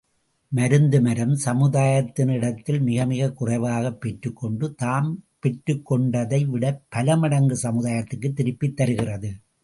மருந்துமரம் சமுதாயத்தினிடத்தில் மிகமிகக் குறைவாகப் பெற்றுக் கொண்டு தாம் பெற்றுக் கொண்டதை விடப் பலமடங்கு சமுதாயத்திற்குத் திருப்பித் தருகிறது.